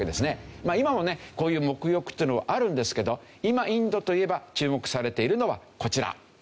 まあ今もねこういう沐浴っていうのはあるんですけど今インドといえば注目されているのはこちら。